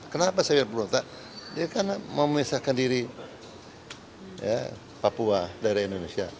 kenapa saya bilang prota dia kan memisahkan diri papua dari indonesia